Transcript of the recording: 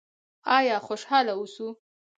آیا خوشحاله اوسو؟